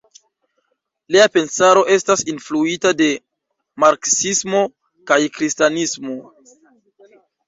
Lia pensaro estas influita de marksismo kaj kristanismo.